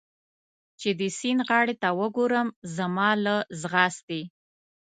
چې د سیند غاړې ته وګورم، زما له ځغاستې.